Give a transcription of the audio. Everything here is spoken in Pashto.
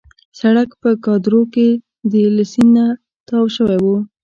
سړک په کادور کې له سیند نه تاو شوی وو.